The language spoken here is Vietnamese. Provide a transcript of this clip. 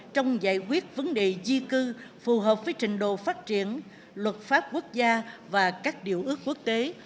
trong giải quyết vấn đề di cư phù hợp với trình độ phát triển luật pháp quốc gia và các điều ước quốc tế